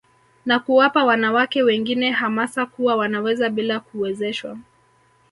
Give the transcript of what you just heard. Na kuwapa wanawake wengine hamasa kuwa wanaweza bila kuwezeshwa